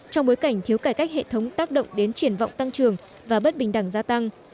trong bối cảnh thiếu cải cách hệ thống tác động đến triển vọng tăng trường và bất bình đẳng gia tăng